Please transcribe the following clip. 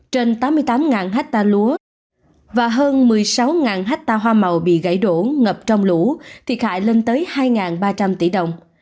trên tám mươi tám hectare lúa và hơn một mươi sáu hectare hoa màu bị gãy đổ ngập trong lũ thiệt hại lên tới hai ba trăm linh tỷ đồng